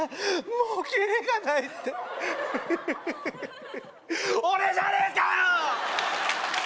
もうキレがないってヘヘヘヘ俺じゃねえかよ！